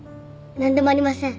何でもありません。